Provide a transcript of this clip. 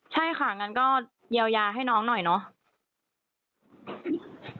ใช่ค่ะงั้นก็เยียวยาให้น้องหน่อยเนาะ